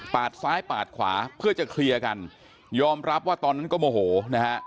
ซ้ายปาดขวาเพื่อจะเคลียร์กันยอมรับว่าตอนนั้นก็โมโหนะฮะ